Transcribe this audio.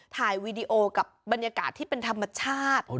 ถ่ายวีดีโอกับบรรยากาศที่เป็นธรรมชาติ